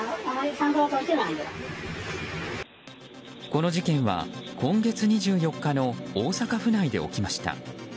この事件は今月２４日の大阪府内で起きました。